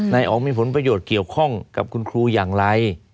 อ๋องมีผลประโยชน์เกี่ยวข้องกับคุณครูอย่างไร